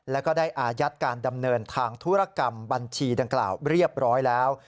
แล้วก็ได้อายัดการดำเนินทางธุรกรรมบัญชีดังกล่าวเรียบร้อยแล้ว